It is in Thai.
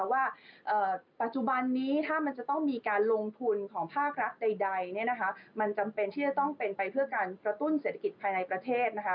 ว่าปัจจุบันนี้ถ้ามันจะต้องมีการลงทุนของภาครัฐใดมันจำเป็นที่จะต้องเป็นไปเพื่อการกระตุ้นเศรษฐกิจภายในประเทศนะคะ